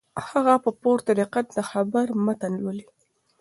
هغه په پوره دقت د خبر متن لولي.